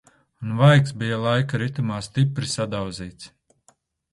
Un vaigs bija laika ritumā stipri sadauzīts.